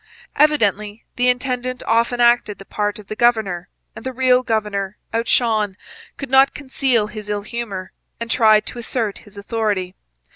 Evidently the intendant often acted the part of the governor; and the real governor, out shone, could not conceal his ill humour, and tried to assert his authority.